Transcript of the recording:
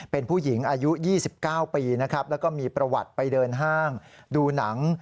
เป็นผู้หญิงอายุ๒๙ปีนะครับแล้วก็มีประวัติไปเดินห้างดูหนัง